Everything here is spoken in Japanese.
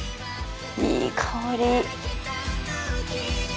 いい香り。